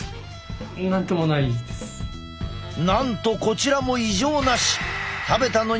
なんとこちらも異常なし！